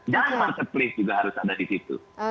marketplace juga harus ada di situ